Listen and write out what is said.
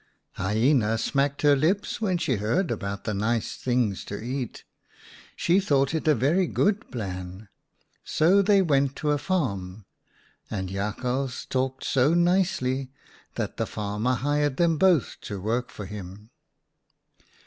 M Hyena smacked her lips when she heard about the nice things to eat. She thought it a very good plan. So they went to a farm, and Jakhals talked so nicely that the farmer hired them both to work for him.